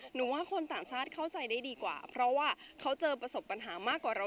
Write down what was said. หนูว่าคนต่างชาติเข้าใจได้ดีกว่าเพราะว่าเขาเจอประสบปัญหามากกว่าเรา